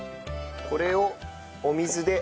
これをお水で。